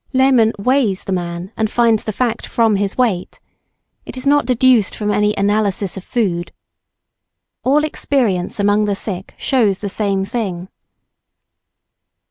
Lehman weighs the man and finds the fact from his weight. It is not deduced from any "analysis" of food. All experience among the sick shows the same thing.